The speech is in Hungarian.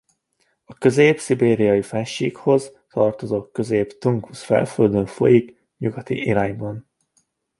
A Közép-szibériai-fennsíkhoz tartozó Közép-tunguz-felföldön folyik nyugati irányban.